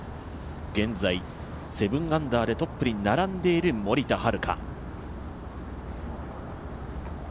現在、７アンダーでトップに並んでいる森田遥。